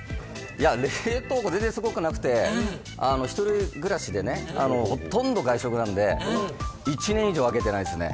冷凍庫、全然すごくなくて一人暮らしでほとんど外食なので１年以上開けてないですね。